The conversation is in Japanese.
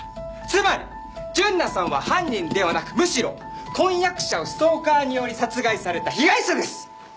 つまり純奈さんは犯人ではなくむしろ婚約者をストーカーにより殺害された被害者です！